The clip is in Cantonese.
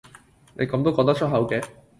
你咁都講得出口嘅？